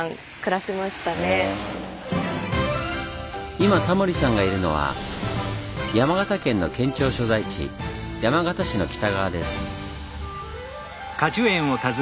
今タモリさんがいるのは山形県の県庁所在地山形市の北側です。